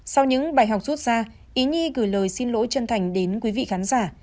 sau những bài học rút ra ý nhi gửi lời xin lỗi chân thành đến quý vị khán giả